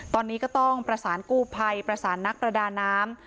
ตอนนี้ก็ต้องประสานกู้ภัยประสานนักประดาน้ำ